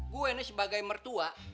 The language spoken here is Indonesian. gue nih sebagai mertua